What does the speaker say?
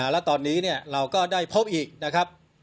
แล้วตอนนี้เราก็ได้พบอีกนะครับ